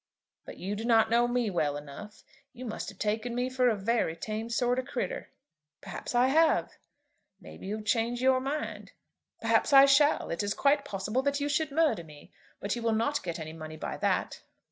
"But you do not know me well enough. You must have taken me for a very tame sort o' critter." "Perhaps I have." "Maybe you'll change your mind." "Perhaps I shall. It is quite possible that you should murder me. But you will not get any money by that."